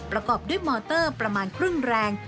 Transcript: ประกอบด้วยมอเตอร์ประมาณครึ่งแรง